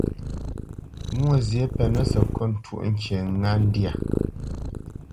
Mwôzyě pɛnǝ́ sǝkôt twóʼ ŋkǐ ŋá ndyâ.